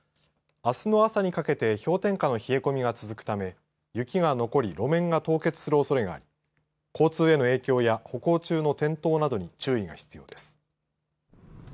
あすの朝にかけて氷点下の冷え込みが続くため雪が残り路面が凍結するおそれがあり交通への影響や歩行中の転倒などに注意が必要です。